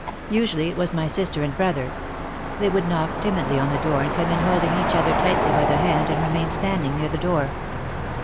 Usually it was my sister and brother. They would knock timidly on the door and come in holding each other tightly by the hand and remain standing near the door.